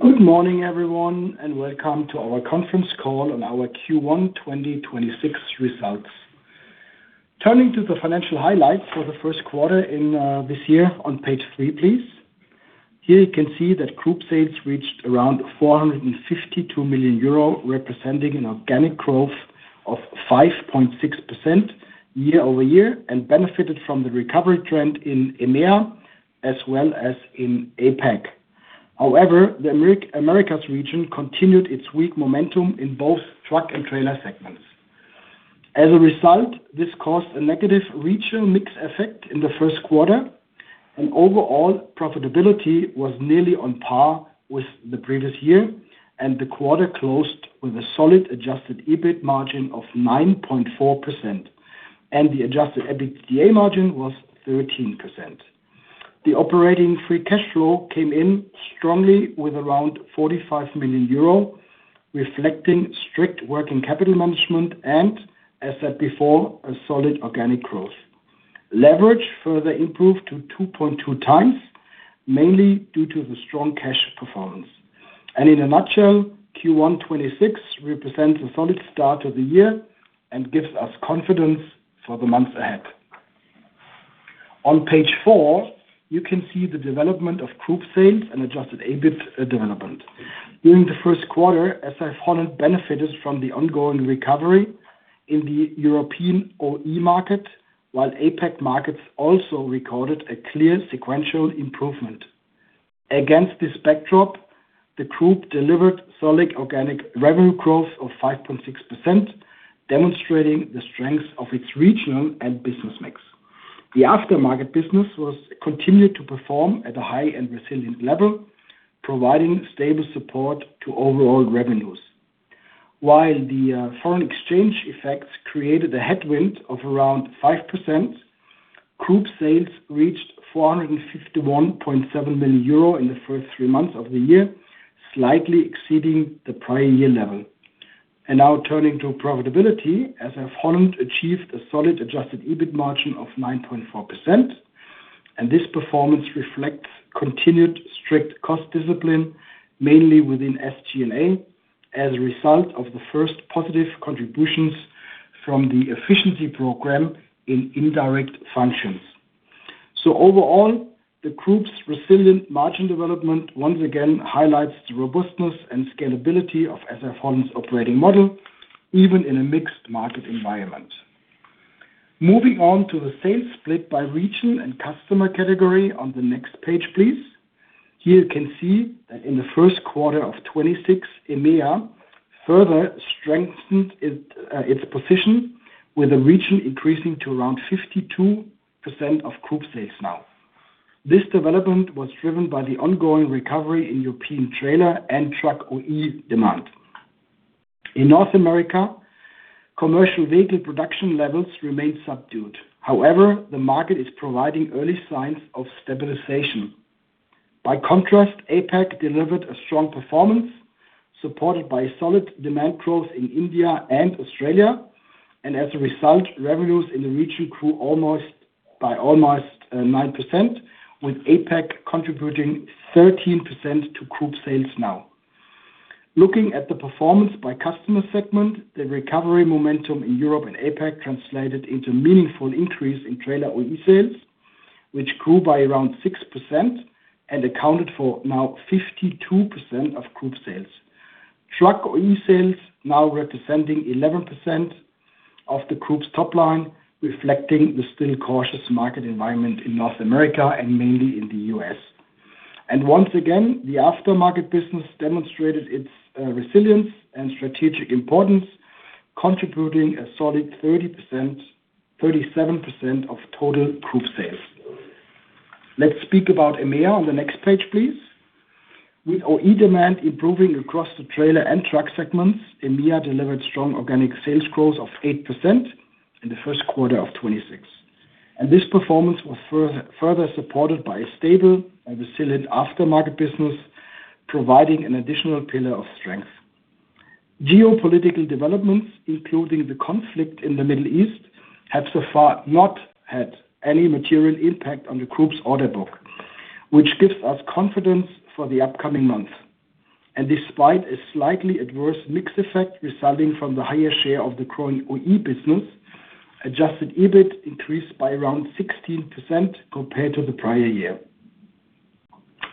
Good morning, everyone, and welcome to our conference call on our Q1 2026 results. Turning to the financial highlights for the first quarter in this year on page three, please. Here you can see that group sales reached around 452 million euro, representing an organic growth of 5.6% year-over-year and benefited from the recovery trend in EMEA as well as in APAC. The Americas region continued its weak momentum in both truck and trailer segments. This caused a negative regional mix effect in the first quarter, and overall profitability was nearly on par with the previous year, and the quarter closed with a solid adjusted EBIT margin of 9.4%, and the adjusted EBITDA margin was 13%. The operating free cash flow came in strongly with around 45 million euro, reflecting strict working capital management and, as said before, a solid organic growth. Leverage further improved to 2.2x, mainly due to the strong cash performance. In a nutshell, Q1 2026 represents a solid start of the year and gives us confidence for the months ahead. On page four, you can see the development of group sales and adjusted EBIT development. During the first quarter, SAF-Holland benefited from the ongoing recovery in the European OE market, while APAC markets also recorded a clear sequential improvement. Against this backdrop, the group delivered solid organic revenue growth of 5.6%, demonstrating the strength of its regional and business mix. The aftermarket business was continued to perform at a high-end resilient level, providing stable support to overall revenues. While the foreign exchange effects created a headwind of around 5%, group sales reached 451.7 million euro in the first three months of the year, slightly exceeding the prior year level. Now turning to profitability, SAF-Holland achieved a solid adjusted EBIT margin of 9.4%, this performance reflects continued strict cost discipline, mainly within SG&A, as a result of the first positive contributions from the efficiency program in indirect functions. Overall, the group's resilient margin development once again highlights the robustness and scalability of SAF-Holland's operating model, even in a mixed market environment. Moving on to the sales split by region and customer category on the next page, please. Here you can see that in the first quarter of 2026, EMEA further strengthened its position with the region increasing to around 52% of group sales now. This development was driven by the ongoing recovery in European trailer and truck OE demand. In North America, commercial vehicle production levels remain subdued. However, the market is providing early signs of stabilization. By contrast, APAC delivered a strong performance, supported by solid demand growth in India and Australia. As a result, revenues in the region grew by almost 9%, with APAC contributing 13% to group sales now. Looking at the performance by customer segment, the recovery momentum in Europe and APAC translated into meaningful increase in trailer OE sales, which grew by around 6% and accounted for now 52% of group sales. Truck OE sales now representing 11% of the group's top line, reflecting the still cautious market environment in North America and mainly in the U.S. Once again, the aftermarket business demonstrated its resilience and strategic importance, contributing a solid 37% of total group sales. Let's speak about EMEA on the next page, please. With OE demand improving across the trailer and truck segments, EMEA delivered strong organic sales growth of 8% in the first quarter of 2026. This performance was further supported by a stable and resilient aftermarket business, providing an additional pillar of strength. Geopolitical developments, including the conflict in the Middle East, have so far not had any material impact on the group's order book, which gives us confidence for the upcoming month. Despite a slightly adverse mix effect resulting from the higher share of the growing OE business, adjusted EBIT increased by around 16% compared to the prior year.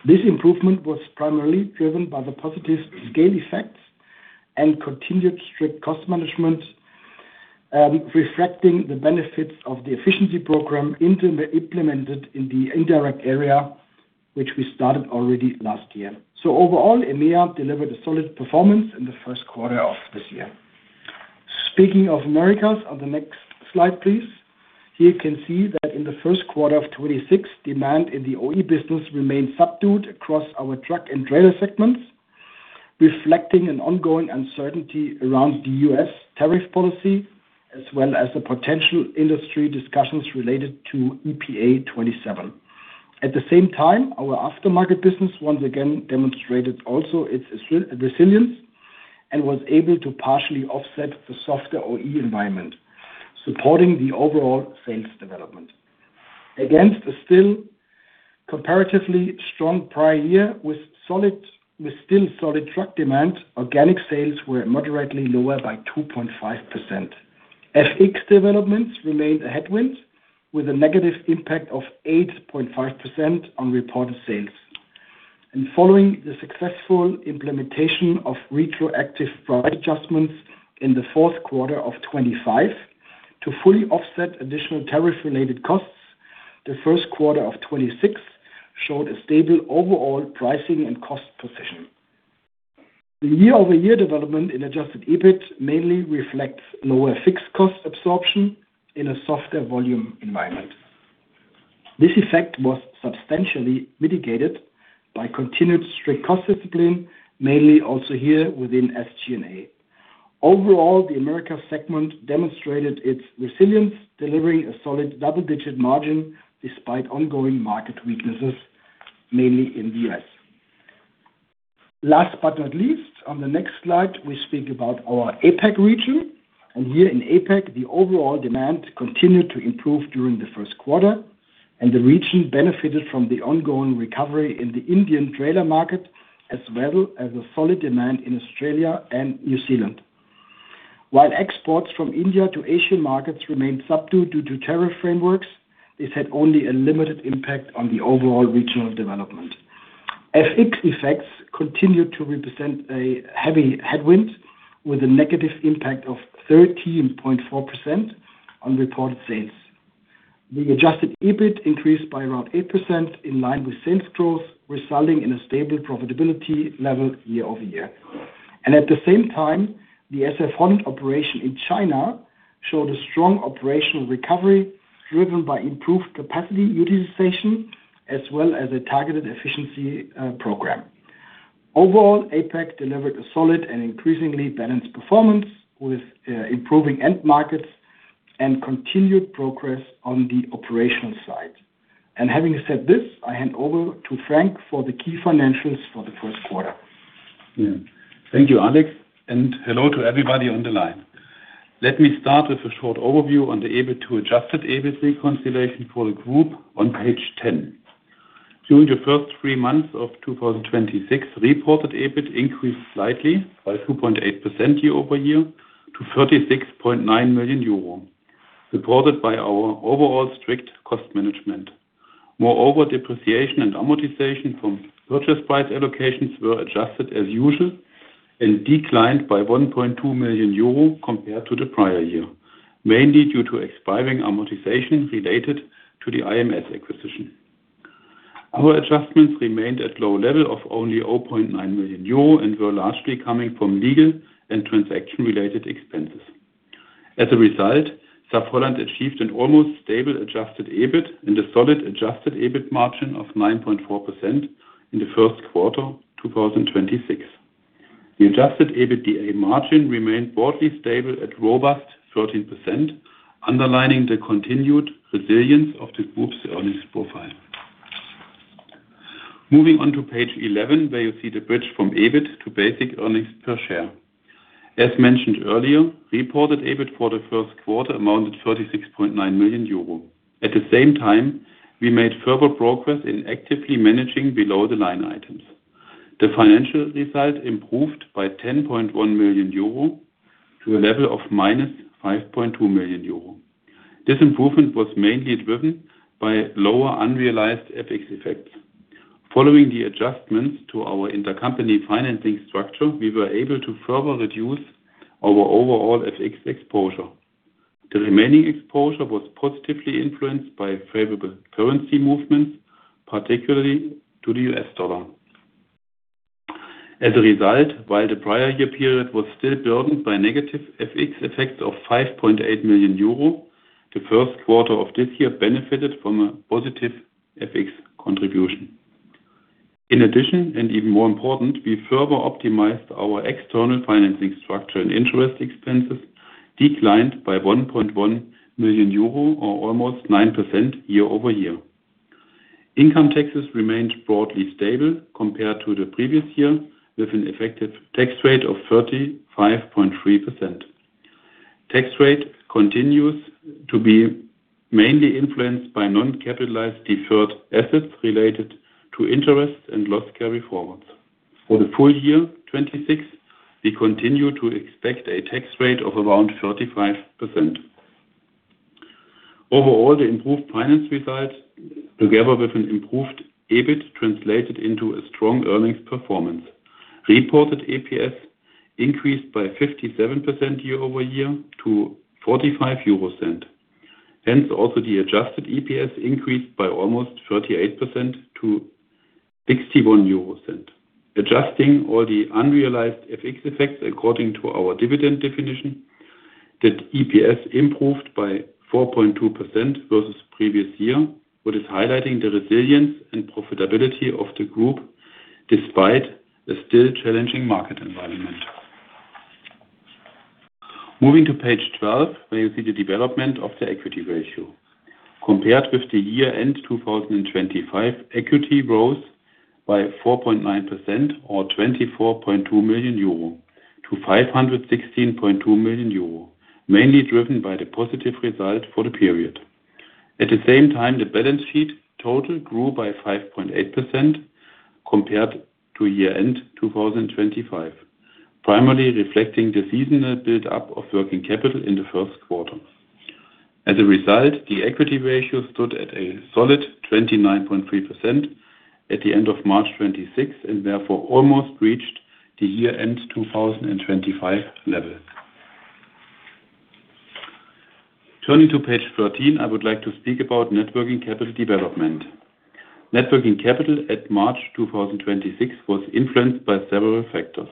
This improvement was primarily driven by the positive scale effects and continued strict cost management, reflecting the benefits of the efficiency program implemented in the indirect area, which we started already last year. Overall, EMEA delivered a solid performance in the first quarter of this year. Speaking of Americas, on the next slide, please. Here you can see that in the first quarter of 2026, demand in the OE business remained subdued across our truck and trailer segments, reflecting an ongoing uncertainty around the U.S. tariff policy, as well as the potential industry discussions related to EPA 2027. At the same time, our aftermarket business once again demonstrated also its resilience and was able to partially offset the softer OE environment, supporting the overall sales development. Against a still comparatively strong prior year with still solid truck demand, organic sales were moderately lower by 2.5%. FX developments remained a headwinds, with a negative impact of 8.5% on reported sales. Following the successful implementation of retroactive price adjustments in the fourth quarter of 2025 to fully offset additional tariff related costs, the first quarter of 2026 showed a stable overall pricing and cost position. The year-over-year development in adjusted EBIT mainly reflects lower fixed cost absorption in a softer volume environment. This effect was substantially mitigated by continued strict cost discipline, mainly also here within SG&A. Overall, the Americas segment demonstrated its resilience, delivering a solid double-digit margin despite ongoing market weaknesses, mainly in the U.S. Last but not least, on the next slide, we speak about our APAC region. Here in APAC, the overall demand continued to improve during the first quarter, and the region benefited from the ongoing recovery in the Indian trailer market, as well as a solid demand in Australia and New Zealand. While exports from India to Asian markets remained subdued due to tariff frameworks, this had only a limited impact on the overall regional development. FX effects continued to represent a heavy headwind, with a negative impact of 13.4% on reported sales. The adjusted EBIT increased by around 8% in line with sales growth, resulting in a stable profitability level year-over-year. At the same time, the SAF-Holland operation in China showed a strong operational recovery driven by improved capacity utilization as well as a targeted efficiency program. Overall, APAC delivered a solid and increasingly balanced performance with improving end markets and continued progress on the operational side. Having said this, I hand over to Frank for the key financials for the first quarter. Yeah. Thank you, Alex, hello to everybody on the line. Let me start with a short overview on the EBIT to adjusted EBIT reconciliation for the group on page 10. During the first three months of 2026, reported EBIT increased slightly by 2.8% year-over-year to 36.9 million euro, supported by our overall strict cost management. Moreover, depreciation and amortization from purchase price allocations were adjusted as usual and declined by 1.2 million euro compared to the prior year, mainly due to expiring amortization related to the IMS acquisition. Our adjustments remained at low level of only 0.9 million euro and were largely coming from legal and transaction-related expenses. As a result, SAF-Holland achieved an almost stable adjusted EBIT and a solid adjusted EBIT margin of 9.4% in the first quarter 2026. The adjusted EBITDA margin remained broadly stable at robust 13%, underlining the continued resilience of the group's earnings profile. Moving on to page 11, where you see the bridge from EBIT to basic earnings per share. As mentioned earlier, reported EBIT for the first quarter amounted 36.9 million euro. At the same time, we made further progress in actively managing below-the-line items. The financial result improved by 10.1 million euro to a level of -5.2 million euro. This improvement was mainly driven by lower unrealized FX effects. Following the adjustments to our intercompany financing structure, we were able to further reduce our overall FX exposure. The remaining exposure was positively influenced by favorable currency movements, particularly to the US dollar. As a result, while the prior year period was still burdened by negative FX effects of 5.8 million euro, the first quarter of this year benefited from a positive FX contribution. In addition, and even more important, we further optimized our external financing structure, interest expenses declined by 1.1 million euro or almost 9% year-over-year. Income taxes remained broadly stable compared to the previous year, with an effective tax rate of 35.3%. Tax rate continues to be mainly influenced by non-capitalized deferred assets related to interest and loss carryforwards. For the full year 2026, we continue to expect a tax rate of around 35%. Overall, the improved finance result, together with an improved EBIT, translated into a strong earnings performance. Reported EPS increased by 57% year-over-year to 0.45. Also the adjusted EPS increased by almost 38% to 0.61. Adjusting all the unrealized FX effects according to our dividend definition, the EPS improved by 4.2% versus previous year, which is highlighting the resilience and profitability of the group despite the still challenging market environment. Moving to page 12, where you see the development of the equity ratio. Compared with the year-end 2025, equity rose by 4.9% or 24.2 million euro to 516.2 million euro, mainly driven by the positive result for the period. At the same time, the balance sheet total grew by 5.8% compared to year end 2025, primarily reflecting the seasonal build-up of working capital in the first quarter. As a result, the equity ratio stood at a solid 29.3% at the end of March 26, Therefore almost reached the year-end 2025 level. Turning to page 13, I would like to speak about net working capital development. Net working capital at March 2026 was influenced by several factors.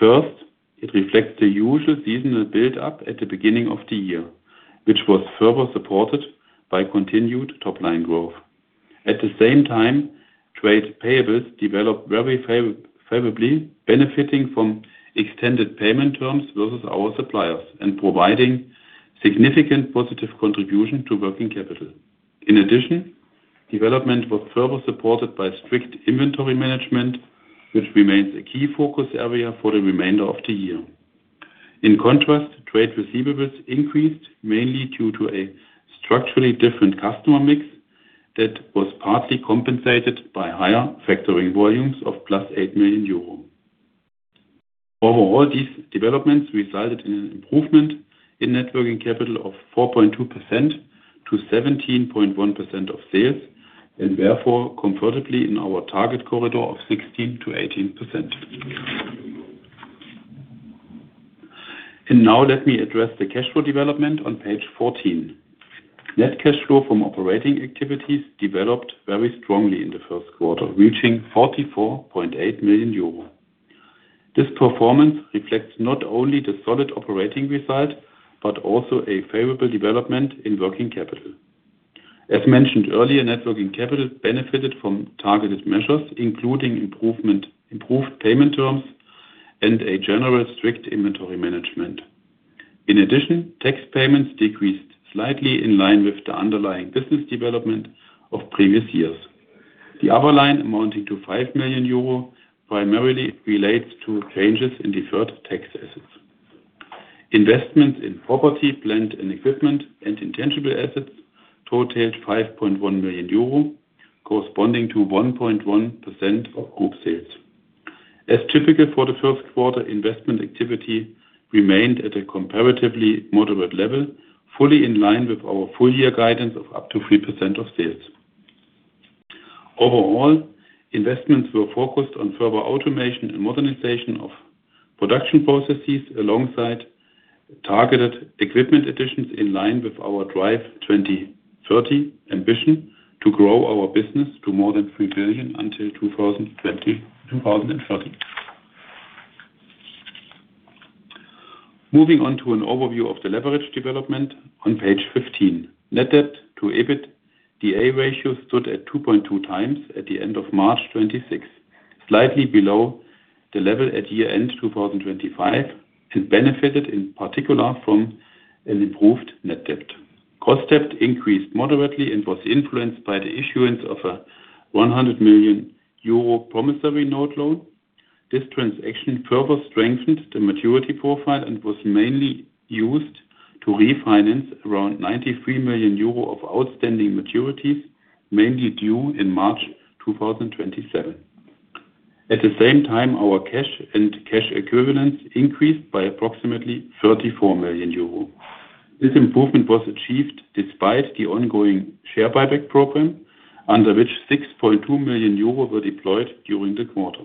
First, it reflects the usual seasonal build-up at the beginning of the year, which was further supported by continued top-line growth. At the same time, trade payables developed very favorably, benefiting from extended payment terms versus our suppliers and providing significant positive contribution to working capital. In addition, development was further supported by strict inventory management, which remains a key focus area for the remainder of the year. In contrast, trade receivables increased mainly due to a structurally different customer mix that was partly compensated by higher factoring volumes of +8 million euro. Overall, these developments resulted in an improvement in net working capital of 4.2% to 17.1% of sales, and therefore comfortably in our target corridor of 16%-18%. Now let me address the cash flow development on page 14. Net cash flow from operating activities developed very strongly in the first quarter, reaching 44.8 million euro. This performance reflects not only the solid operating result, but also a favorable development in working capital. As mentioned earlier, net working capital benefited from targeted measures, including improved payment terms and a general strict inventory management. In addition, tax payments decreased slightly in line with the underlying business development of previous years. The other line amounting to 5 million euro primarily relates to changes in deferred tax assets. Investments in property, plant, and equipment and intangible assets totaled 5.1 million euro, corresponding to 1.1% of group sales. As typical for the first quarter, investment activity remained at a comparatively moderate level, fully in line with our full year guidance of up to 3% of sales. Overall, investments were focused on further automation and modernization of production processes alongside targeted equipment additions in line with our Drive 2030 ambition to grow our business to more than 3 billion until 2030. Moving on to an overview of the leverage development on page 15. Net debt to EBITDA ratio stood at 2.2x at the end of March 26th, slightly below the level at year-end 2025, and benefited in particular from an improved net debt. Gross debt increased moderately and was influenced by the issuance of a 100 million euro promissory note loan. This transaction further strengthened the maturity profile and was mainly used to refinance around 93 million euro of outstanding maturities, mainly due in March 2027. At the same time, our cash and cash equivalents increased by approximately 34 million euro. This improvement was achieved despite the ongoing share buyback program, under which 6.2 million euro were deployed during the quarter.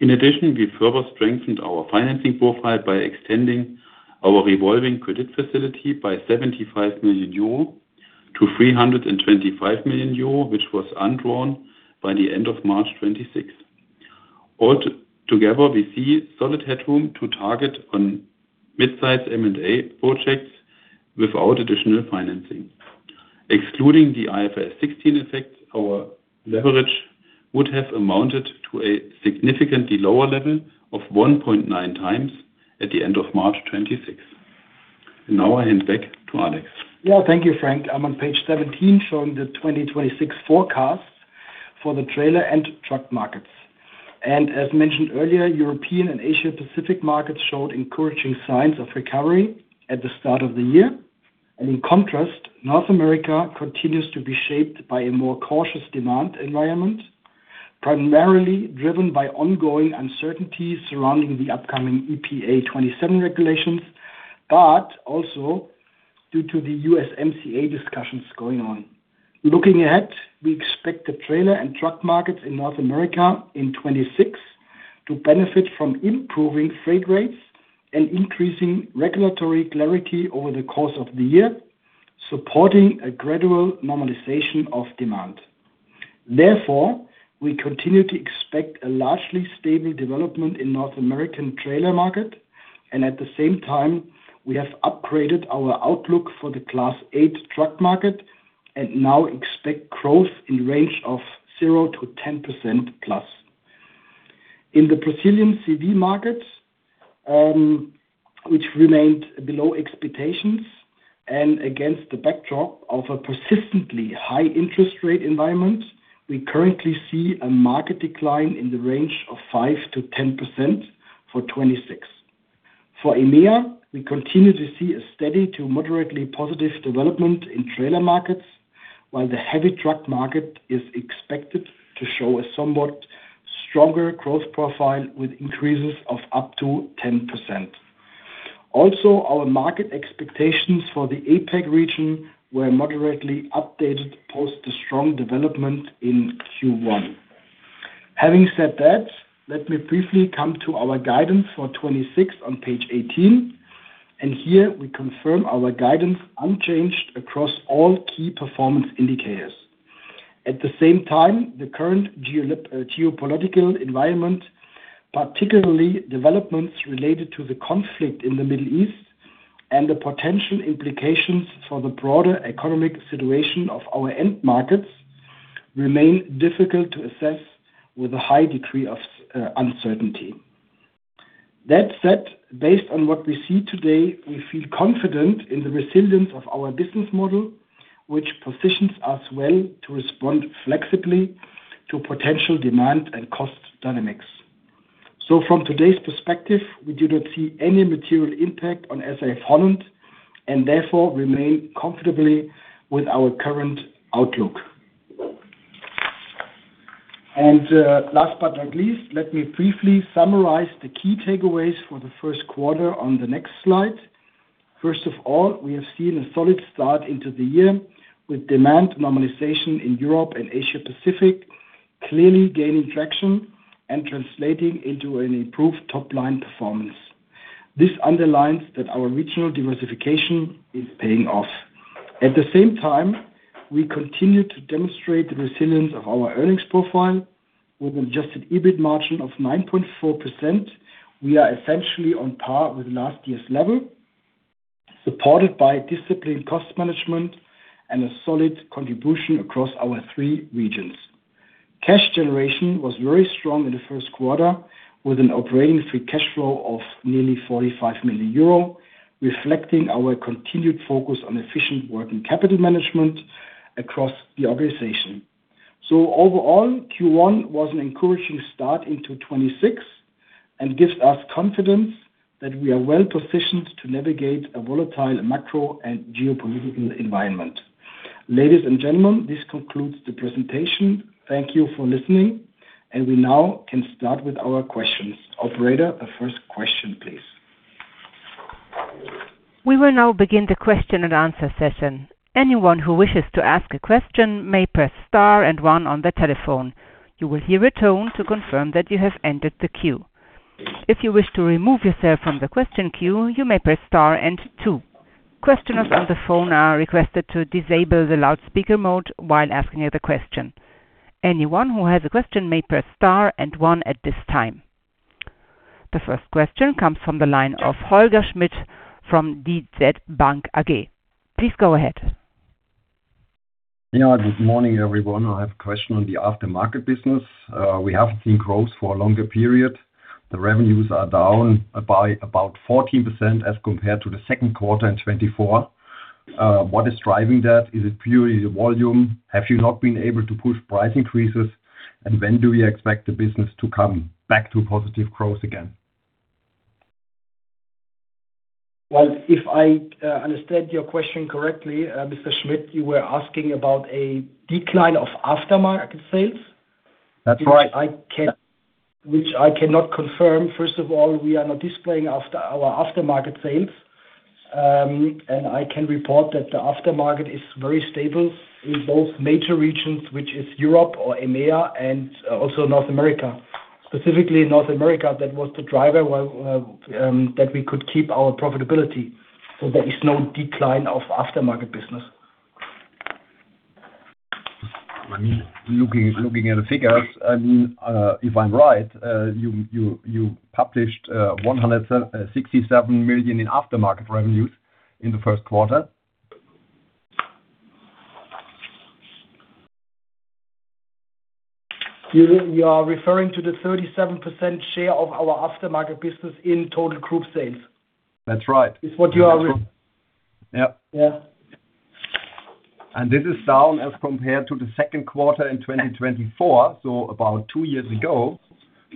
In addition, we further strengthened our financing profile by extending our revolving credit facility by 75 million euro to 325 million euro, which was undrawn by the end of March 26th. Altogether, we see solid headroom to target on mid-size M&A projects without additional financing. Excluding the IFRS 16 effect, our leverage would have amounted to a significantly lower level of 1.9x at the end of March 2026. Now I hand back to Alex. Yeah. Thank you, Frank. I'm on page 17, showing the 2026 forecasts for the trailer and truck markets. As mentioned earlier, European and Asia Pacific markets showed encouraging signs of recovery at the start of the year. In contrast, North America continues to be shaped by a more cautious demand environment, primarily driven by ongoing uncertainties surrounding the upcoming EPA 2027 regulations, but also due to the USMCA discussions going on. Looking ahead, we expect the trailer and truck markets in North America in 2026 to benefit from improving freight rates and increasing regulatory clarity over the course of the year, supporting a gradual normalization of demand. We continue to expect a largely stable development in North American trailer market and at the same time, we have upgraded our outlook for the Class 8 truck market and now expect growth in range of 0%-10% plus. In the Brazilian CV market, which remained below expectations and against the backdrop of a persistently high interest rate environment, we currently see a market decline in the range of 5%-10% for 2026. For EMEA, we continue to see a steady to moderately positive development in trailer markets, while the heavy truck market is expected to show a somewhat stronger growth profile with increases of up to 10%. Our market expectations for the APAC region were moderately updated post the strong development in Q1. Having said that, let me briefly come to our guidance for 2026 on page 18. Here we confirm our guidance unchanged across all key performance indicators. At the same time, the current geopolitical environment, particularly developments related to the conflict in the Middle East and the potential implications for the broader economic situation of our end markets remain difficult to assess with a high degree of uncertainty. That said, based on what we see today, we feel confident in the resilience of our business model, which positions us well to respond flexibly to potential demand and cost dynamics. From today's perspective, we do not see any material impact on SAF-Holland and therefore remain comfortably with our current outlook. Last but not least, let me briefly summarize the key takeaways for the first quarter on the next slide. First of all, we have seen a solid start into the year, with demand normalization in Europe and Asia Pacific clearly gaining traction and translating into an improved top-line performance. This underlines that our regional diversification is paying off. At the same time, we continue to demonstrate the resilience of our earnings profile with an adjusted EBIT margin of 9.4%. We are essentially on par with last year's level, supported by disciplined cost management and a solid contribution across our three regions. Cash generation was very strong in the first quarter, with an operating free cash flow of nearly 45 million euro, reflecting our continued focus on efficient net working capital management across the organization. Overall, Q1 was an encouraging start into 2026 and gives us confidence that we are well-positioned to navigate a volatile macro and geopolitical environment. Ladies and gentlemen, this concludes the presentation. Thank you for listening. We now can start with our questions. Operator, the first question, please. We will now begin the question-and-answer session. Anyone who wishes to ask a question may press star and one on their telephone. You will hear a tone to confirm that you have entered the queue. If you wish to remove yourself from the question queue, you may press star and two. Questioners on the phone are requested to disable the loudspeaker mode while asking the question. Anyone who has a question may press star and one at this time. The first question comes from the line of Holger Schmidt from DZ Bank AG. Please go ahead. Yeah. Good morning, everyone. I have a question on the aftermarket business. We haven't seen growth for a longer period. The revenues are down by about 14% as compared to the second quarter in 2024. What is driving that? Is it purely the volume? Have you not been able to push price increases? When do we expect the business to come back to positive growth again? If I understand your question correctly, Mr. Schmidt, you were asking about a decline of aftermarket sales. That's right. Which I cannot confirm. First of all, we are not displaying our aftermarket sales. I can report that the aftermarket is very stable in both major regions, which is Europe or EMEA and also North America. Specifically North America, that was the driver that we could keep our profitability. There is no decline of aftermarket business. I mean, looking at the figures, I mean, if I'm right, you published 167 million in aftermarket revenues in the first quarter. You are referring to the 37% share of our aftermarket business in total group sales. That's right. Is what you are re- Yeah. Yeah. This is down as compared to the second quarter in 2024, so about two years ago,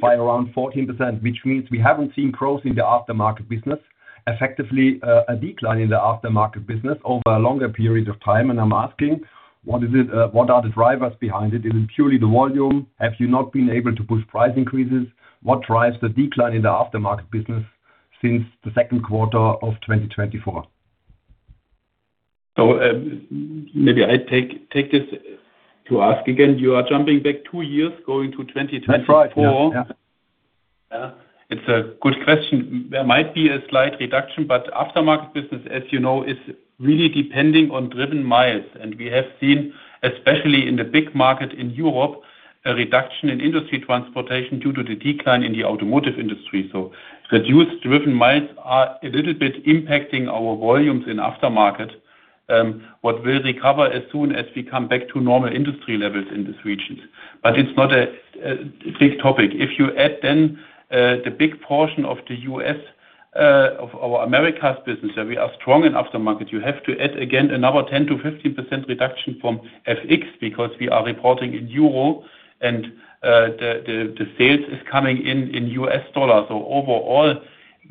by around 14%, which means we haven't seen growth in the aftermarket business, effectively, a decline in the aftermarket business over a longer period of time. I'm asking, what are the drivers behind it? Is it purely the volume? Have you not been able to push price increases? What drives the decline in the aftermarket business since the second quarter of 2024? Maybe I take this. To ask again, you are jumping back two years going to 2024. That's right. Yeah. Yeah. It's a good question. There might be a slight reduction, but aftermarket business, as you know, is really depending on driven miles. We have seen, especially in the big market in Europe, a reduction in industry transportation due to the decline in the automotive industry. Reduced driven miles are a little bit impacting our volumes in aftermarket, what will recover as soon as we come back to normal industry levels in this region. It's not a big topic. If you add then the big portion of the U.S. of our Americas business, we are strong in aftermarket. You have to add again another 10%-15% reduction from FX because we are reporting in EUR and the sales is coming in in USD. Overall,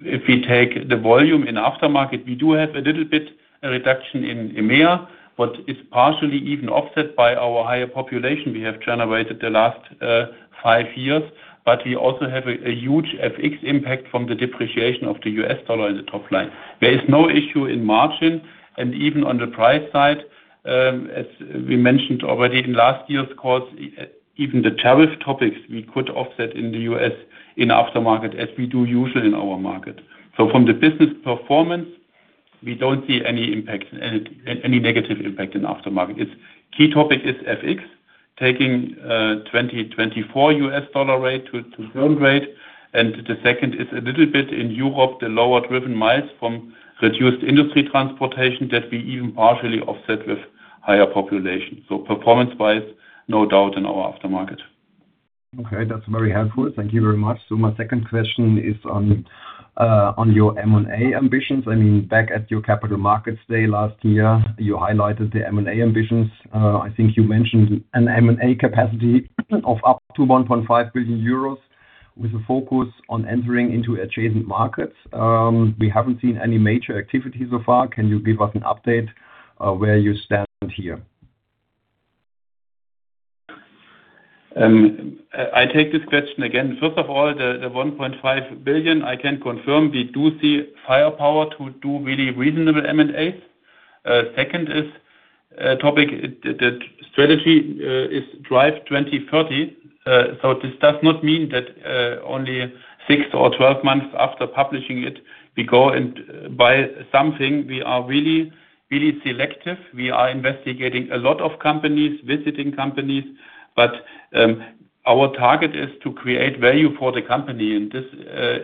if we take the volume in aftermarket, we do have a little bit a reduction in EMEA, it's partially even offset by our higher population we have generated the last five years. We also have a huge FX impact from the depreciation of the U.S. dollar in the top line. There is no issue in margin. Even on the price side, as we mentioned already in last year's calls, even the tariff topics we could offset in the U.S. in aftermarket, as we do usually in our market. From the business performance, we don't see any negative impact in aftermarket. Its key topic is FX, taking 2024 U.S. dollar rate to EUR rate. The second is a little bit in Europe, the lower driven miles from reduced industry transportation that we even partially offset with higher population. Performance-wise, no doubt in our aftermarket. Okay, that's very helpful. Thank you very much. My second question is on your M&A ambitions. I mean, back at your Capital Markets Day last year, you highlighted the M&A ambitions. I think you mentioned an M&A capacity of up to 1.5 billion euros with a focus on entering into adjacent markets. We haven't seen any major activity so far. Can you give us an update where you stand here? I take this question again. First of all, the 1.5 billion, I can confirm we do see firepower to do really reasonable M&As. Second is topic, the strategy is Drive 2030. This does not mean that only six or 12 months after publishing it, we go and buy something. We are really selective. We are investigating a lot of companies, visiting companies, but our target is to create value for the company. This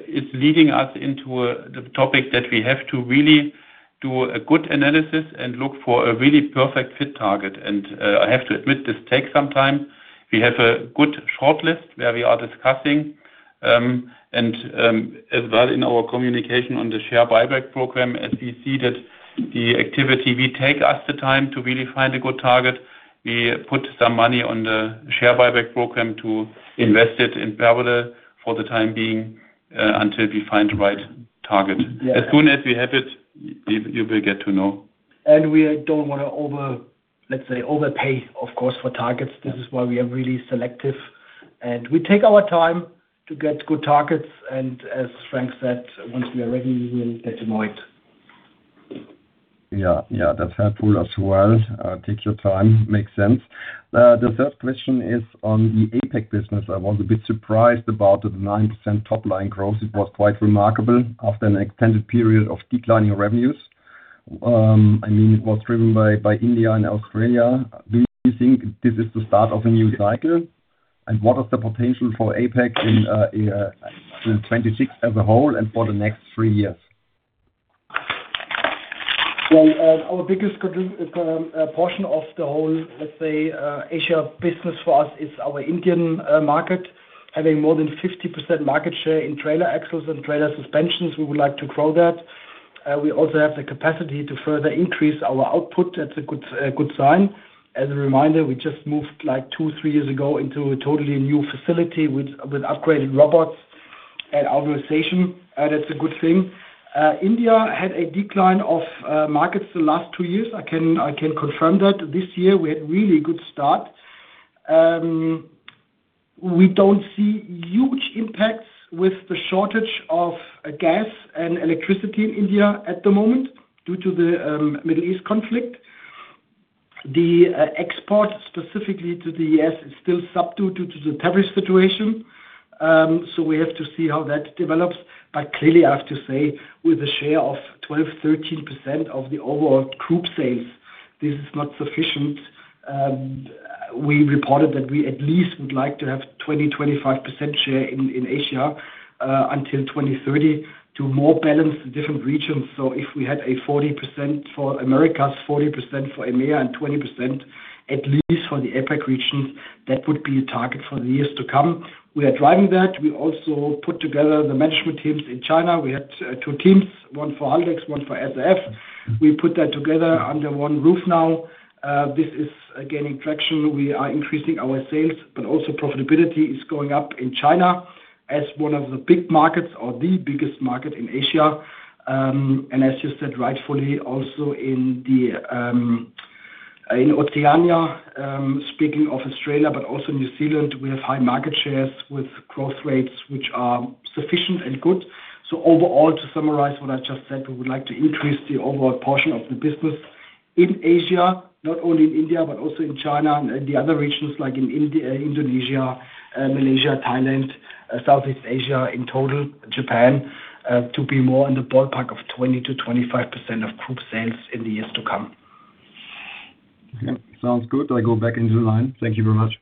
is leading us into the topic that we have to really do a good analysis and look for a really perfect fit target. I have to admit, this takes some time. We have a good shortlist where we are discussing, and as well in our communication on the share buyback program. As we see that the activity, we take us the time to really find a good target. We put some money on the share buyback program to invest it for the time being, until we find the right target. Yeah. As soon as we have it, you will get to know. We don't wanna over, let's say, overpay, of course, for targets. This is why we are really selective, and we take our time to get good targets, and as Frank said, once we are ready, we will let you know it. Yeah. Yeah, that's helpful as well. Take your time. Makes sense. The third question is on the APAC business. I was a bit surprised about the 9% top line growth. It was quite remarkable after an extended period of declining revenues. I mean, it was driven by India and Australia. Do you think this is the start of a new cycle? What is the potential for APAC in 2026 as a whole and for the next 3 years? Well, our biggest portion of the whole, let's say, Asia business for us is our Indian market, having more than 50% market share in trailer axles and trailer suspensions. We would like to grow that. We also have the capacity to further increase our output. That's a good, a good sign. As a reminder, we just moved like two, three years ago into a totally new facility with upgraded robots and authorization. That's a good thing. India had a decline of markets the last two years. I can, I can confirm that. This year, we had really good start. We don't see huge impacts with the shortage of gas and electricity in India at the moment due to the Middle East conflict. The export specifically to the U.S. is still subdued due to the tariff situation. We have to see how that develops. Clearly, I have to say, with a share of 12%, 13% of the overall group sales, this is not sufficient. We reported that we at least would like to have 20%, 25% share in Asia until 2030 to more balance the different regions. If we had a 40% for Americas, 40% for EMEA, and 20% at least for the APAC region, that would be a target for the years to come. We are driving that. We also put together the management teams in China. We had two teams, one for Haldex, 1 for SAF. We put that together under one roof now. This is gaining traction. We are increasing our sales, but also profitability is going up in China as one of the big markets or the biggest market in Asia. As you said, rightfully also in Oceania, speaking of Australia, but also New Zealand, we have high market shares with growth rates which are sufficient and good. Overall, to summarize what I just said, we would like to increase the overall portion of the business in Asia, not only in India, but also in China and the other regions like Indonesia, Malaysia, Thailand, Southeast Asia, in total, Japan, to be more in the ballpark of 20%-25% of group sales in the years to come. Okay, sounds good. I go back into the line. Thank you very much.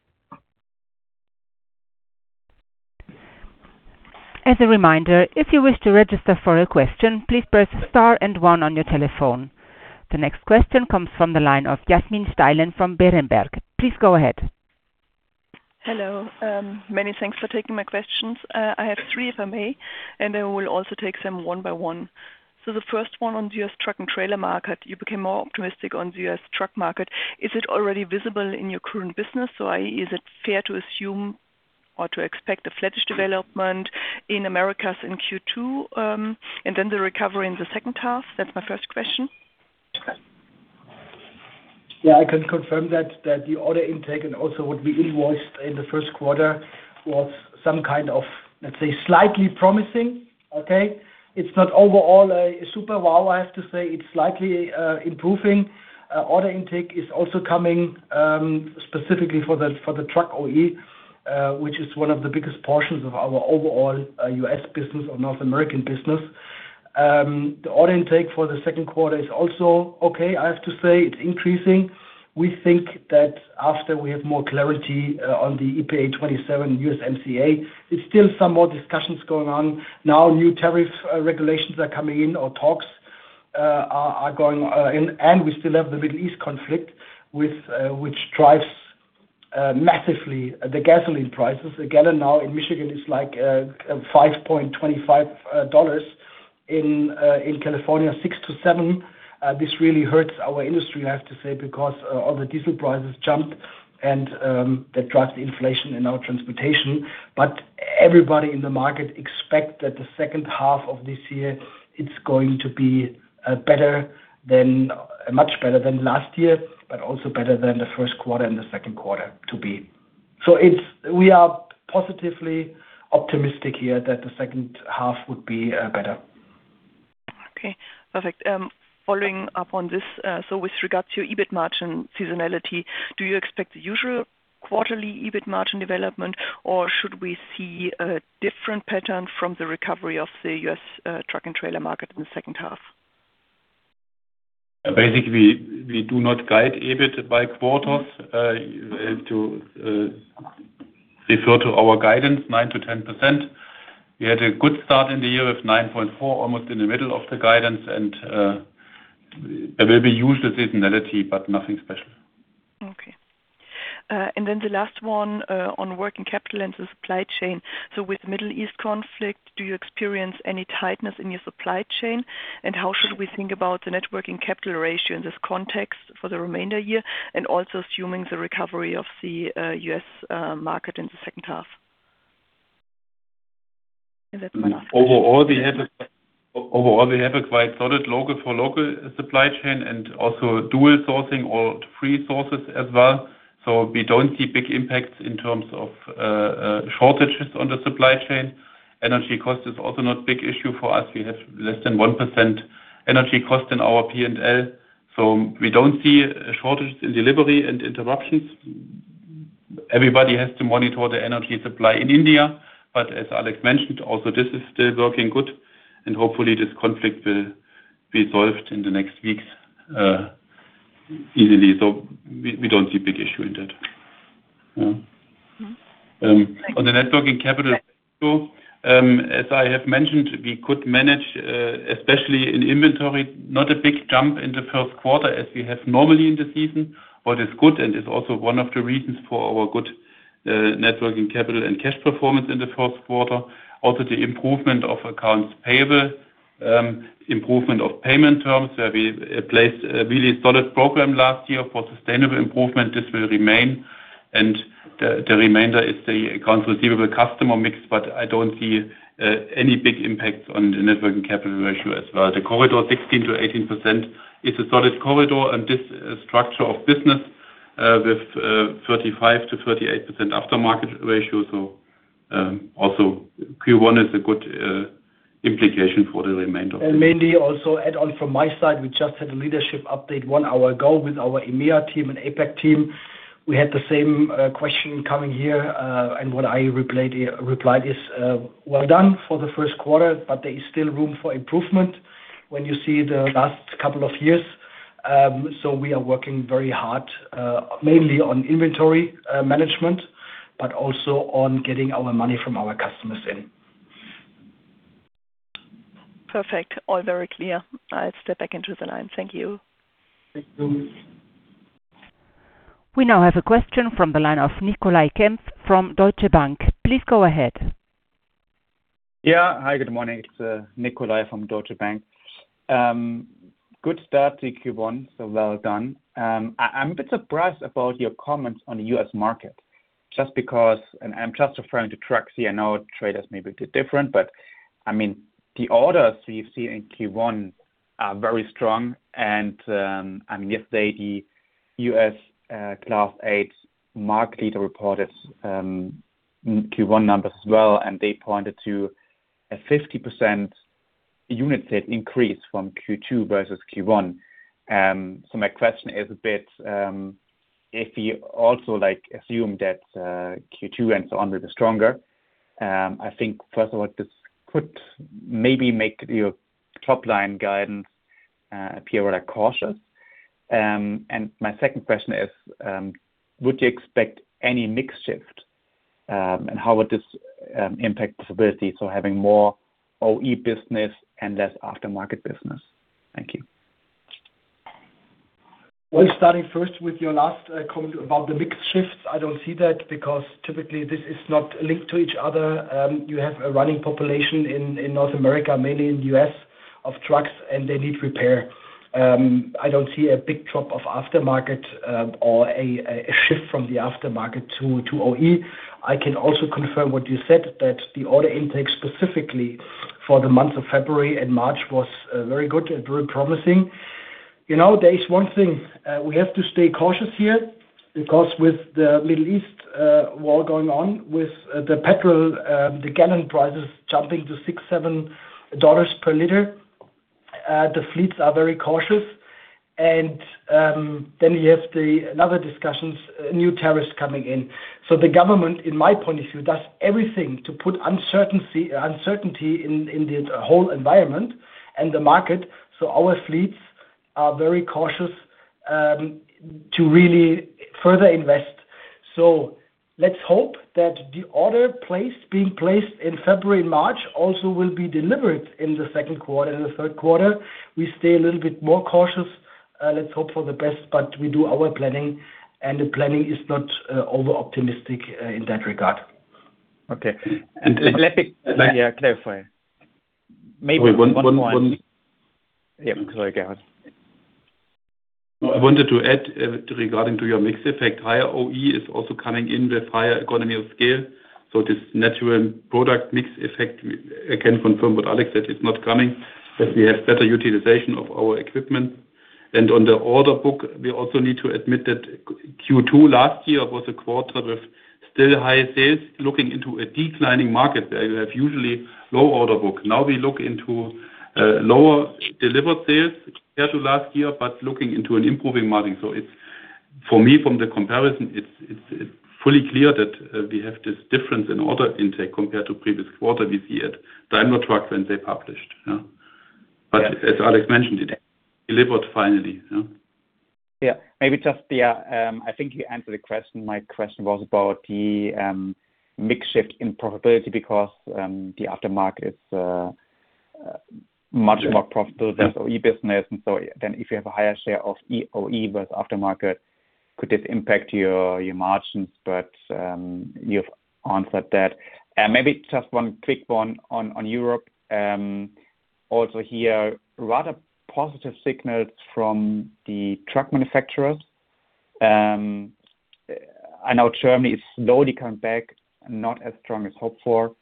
As a reminder, if you wish to register for a question, please press star and one on your telephone. The next question comes from the line of Yasmin Steilen from Berenberg. Please go ahead. Hello. Many thanks for taking my questions. I have three, if I may, and I will also take them one by one. The first one on U.S. truck and trailer market, you became more optimistic on U.S. truck market. Is it already visible in your current business? I.e., is it fair to assume or to expect a flattish development in Americas in Q2, and then the recovery in the second half? That's my first question. Yeah, I can confirm that the order intake and also what we invoiced in the first quarter was some kind of, let's say, slightly promising, okay. It's not overall a super wow, I have to say. It's slightly improving. Order intake is also coming specifically for the, for the truck OE, which is one of the biggest portions of our overall U.S. business or North American business. The order intake for the second quarter is also okay, I have to say. It's increasing. We think that after we have more clarity on the EPA 2027 USMCA, it's still some more discussions going on. Now, new tariff regulations are coming in or talks are going, and we still have the Middle East conflict with which drives massively the gasoline prices. A gallon now in Michigan is like $5.25. In California, $6-$7. This really hurts our industry, I have to say, because all the diesel prices jumped and that drives the inflation in our transportation. Everybody in the market expect that the second half of this year, it's going to be better than, much better than last year, but also better than the first quarter and the second quarter to be. We are positively optimistic here that the second half would be better. Okay. Perfect. Following up on this, with regards to your EBIT margin seasonality, do you expect the usual quarterly EBIT margin development, or should we see a different pattern from the recovery of the U.S. truck and trailer market in the second half? Basically, we do not guide EBIT by quarters. You have to refer to our guidance, 9%-10%. We had a good start in the year of 9.4%, almost in the middle of the guidance and there will be usual seasonality, but nothing special. Okay. The last one, on working capital and the supply chain. With Middle East conflict, do you experience any tightness in your supply chain? How should we think about the net working capital ratio in this context for the remainder year and also assuming the recovery of the U.S. market in the second half? Overall, we have a quite solid local-for-local supply chain and also dual sourcing or three sources as well. We don't see big impacts in terms of shortages on the supply chain. Energy cost is also not big issue for us. We have less than 1% energy cost in our P&L. We don't see a shortage in delivery and interruptions. Everybody has to monitor the energy supply in India. As Alex mentioned, also this is still working good and hopefully this conflict will be solved in the next weeks easily. We don't see a big issue in that. On the net working capital growth, as I have mentioned, we could manage especially in inventory, not a big jump in the first quarter as we have normally in the season. What is good and is also one of the reasons for our good net working capital and cash performance in the first quarter. Also the improvement of accounts payable, improvement of payment terms. We placed a really solid program last year for sustainable improvement. This will remain. The remainder is the accounts receivable customer mix, but I don't see any big impacts on the net working capital ratio as well. The corridor 16%-18% is a solid corridor and this structure of business with 35%-38% aftermarket ratio. Also Q1 is a good implication for the remainder of the year. Mainly also add on from my side, we just had a leadership update one hour ago with our EMEA team and APAC team. We had the same question coming here, and what I replied is, well done for the first quarter, but there is still room for improvement when you see the last couple of years. We are working very hard, mainly on inventory management, but also on getting our money from our customers in. Perfect. All very clear. I'll step back into the line. Thank you. Thank you. We now have a question from the line of Nicolai Kempf from Deutsche Bank. Please go ahead. Yeah. Hi, good morning. It's Nicolai from Deutsche Bank. Good start to Q1, well done. I'm a bit surprised about your comments on the U.S. market just because, and I'm just referring to trucks here. I know trailers may be a bit different, but I mean, the orders you see in Q1 are very strong and, I mean, yesterday the U.S. Class eight market leader reported Q1 numbers as well, and they pointed to a 50% unit set increase from Q2 versus Q1. My question is a bit, if you also like assume that Q2 ends on a bit stronger, I think first of all this could maybe make your top-line guidance appear rather cautious. My second question is, would you expect any mix shift, and how would this impact profitability? Having more OE business and less aftermarket business. Thank you. Starting first with your last comment about the mix shifts. I don't see that because typically this is not linked to each other. You have a running population in North America, mainly in the U.S., of trucks, and they need repair. I don't see a big drop of aftermarket or a shift from the aftermarket to OE. I can also confirm what you said, that the order intake specifically for the months of February and March was very good and very promising. You know, there is one thing. We have to stay cautious here because with the Middle East war going on, with the petrol, the gallon prices jumping to $6, $7 per liter, the fleets are very cautious. Then you have another discussions, new tariffs coming in. The government, in my point of view, does everything to put uncertainty in the whole environment and the market, so our fleets are very cautious to really further invest. Let's hope that the order placed, being placed in February and March also will be delivered in the second quarter and the third quarter. We stay a little bit more cautious. Let's hope for the best, but we do our planning, and the planning is not over-optimistic in that regard. Okay. Let me, yeah, clarify. Yeah. Sorry, go on. I wanted to add regarding to your mix effect, higher OE is also coming in with higher economy of scale. This natural product mix effect, I can confirm with Alex that it's not coming, that we have better utilization of our equipment. On the order book, we also need to admit that Q2 last year was a quarter of still higher sales looking into a declining market. They have usually low order book. Now we look into lower delivered sales compared to last year, but looking into an improving margin. It's, for me, from the comparison, it's fully clear that we have this difference in order intake compared to previous quarter we see at Daimler Truck when they published. Yeah. As Alex mentioned, it delivered finally, yeah. Yeah. Maybe just, yeah, I think you answered the question. My question was about the mix shift in profitability because the aftermarket is much more profitable than OE business. If you have a higher share of OE with aftermarket, could this impact your margins? You've answered that. Maybe just one quick one on Europe. Also here, rather positive signals from the truck manufacturers. I know Germany is slowly coming back, not as strong as hoped for.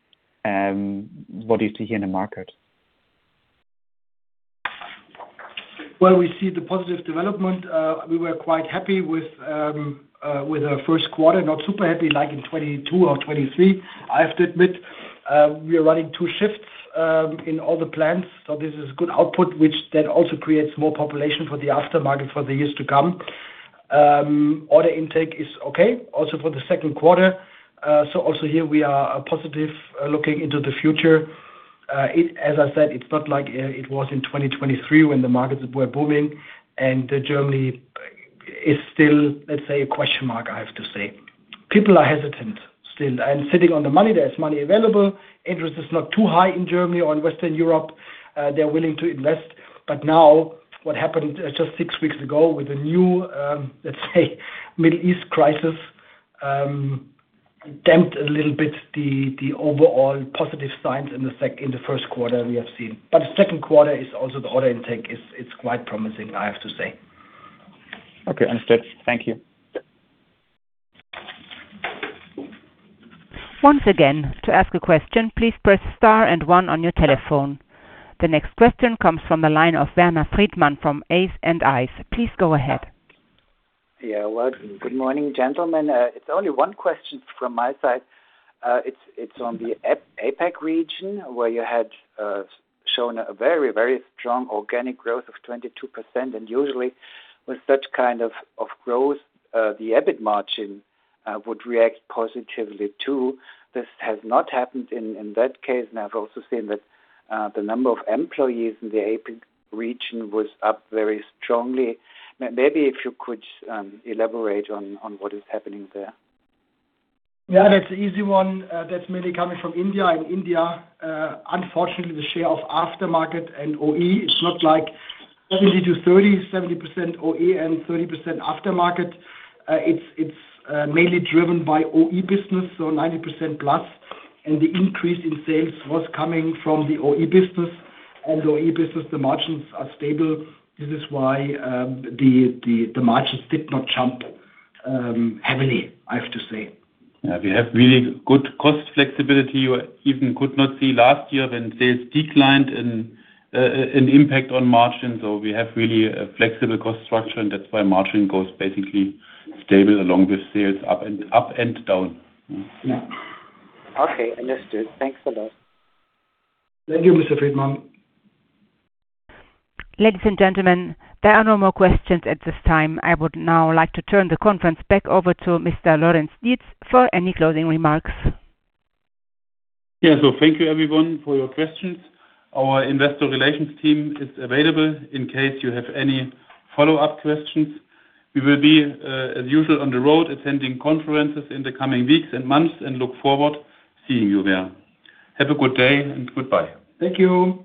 What do you see here in the market? Well, we see the positive development. We were quite happy with our first quarter, not super happy like in 2022 or 2023. I have to admit, we are running two shifts in all the plants, so this is good output, which then also creates more population for the aftermarket for the years to come. Order intake is okay also for the second quarter. Also here we are positive looking into the future. As I said, it's not like it was in 2023 when the markets were booming and Germany is still, let's say, a question mark, I have to say. People are hesitant still and sitting on the money. There is money available. Interest is not too high in Germany or in Western Europe. They're willing to invest. Now what happened just six weeks ago with a new, let's say, Middle East crisis, damped a little bit the overall positive signs in the first quarter we have seen. The second quarter is also the order intake. It's quite promising, I have to say. Okay, understood. Thank you. Once again, to ask a question, please press star and one on your telephone. The next question comes from the line of [Werner Friedman] from [Ace and Ice]. Please go ahead. Yeah, well, good morning, gentlemen. It's only one question from my side. It's on the APAC region where you had shown a very, very strong organic growth of 22%. Usually with such kind of growth, the EBIT margin would react positively, too. This has not happened in that case. I've also seen that the number of employees in the APAC region was up very strongly. Maybe if you could elaborate on what is happening there. That's an easy one. That's mainly coming from India. In India, unfortunately, the share of aftermarket and OE is not like 70/30, 70% OE and 30% aftermarket. It's mainly driven by OE business, so 90%+. The increase in sales was coming from the OE business. OE business, the margins are stable. This is why the margins did not jump heavily, I have to say. Yeah, we have really good cost flexibility. You even could not see last year when sales declined and an impact on margins. We have really a flexible cost structure, and that's why margin goes basically stable along with sales up and down. Okay, understood. Thanks a lot. Thank you, Mr. Friedman. Ladies and gentlemen, there are no more questions at this time. I would now like to turn the conference back over to Mr. Lorenz-Dietz for any closing remarks. Yeah. Thank you everyone for your questions. Our investor relations team is available in case you have any follow-up questions. We will be, as usual, on the road attending conferences in the coming weeks and months and look forward seeing you there. Have a good day, and goodbye. Thank you.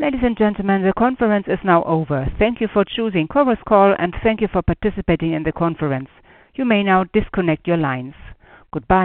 Ladies and gentlemen, the conference is now over. Thank you for choosing Chorus Call, and thank you for participating in the conference. You may now disconnect your lines. Goodbye.